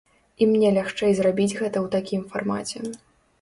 І мне лягчэй зрабіць гэта ў такім фармаце.